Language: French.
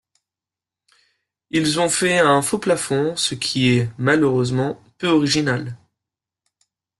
Ils ont fait un faux-plafond, ce qui est, malheureusement, peu original.